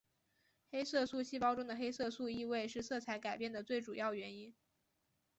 黑色素细胞中的黑色素易位是色彩改变的最主要原因。